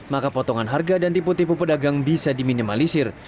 maka potongan harga dan tipe tipe pedagang bisa diminimalisir